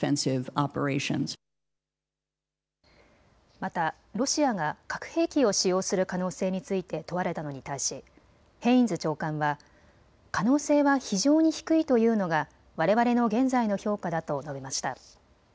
また、ロシアが核兵器を使用する可能性について問われたのに対しヘインズ長官は可能性は非常に低いというのがわれわれの現在の評価だと述べました。